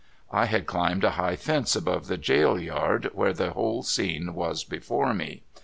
I had climbed a high fence above the jail yard, where the whole scene was before me.